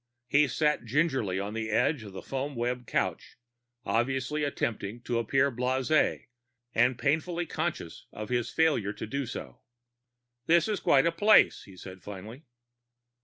He sat gingerly on the edge of the foamweb couch, obviously attempting to appear blasé and painfully conscious of his failure to do so. "This is quite a place," he said finally.